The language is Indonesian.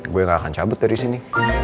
gue gak akan cabut dari sini